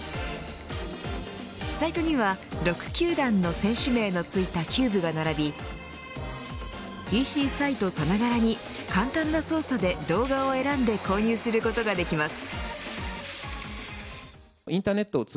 サイトには、６球団の選手名のついたキューブが並びＥＣサイトさながらに簡単な操作で動画を選んで購入することができます。